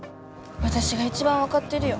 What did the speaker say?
私が一番分かってるよ